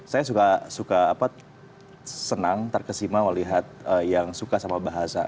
saya suka senang terkesima melihat yang suka sama bahasa